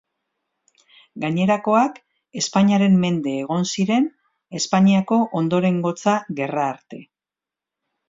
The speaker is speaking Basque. Gainerakoak Espainiaren mende egon ziren Espainiako Ondorengotza Gerra arte.